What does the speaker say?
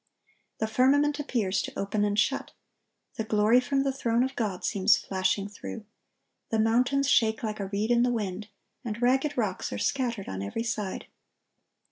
(1094) The firmament appears to open and shut. The glory from the throne of God seems flashing through. The mountains shake like a reed in the wind, and ragged rocks are scattered on every side.